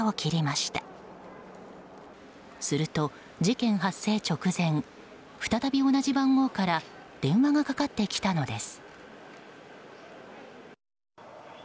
すると、事件発生直前再び同じ番号から電話がかかってきたのです。